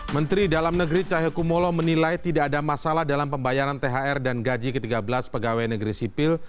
menteri dalam negeri cahyokumolo menilai tidak ada masalah dalam pembayaran thr dan gaji ke tiga belas pegawai negeri sipil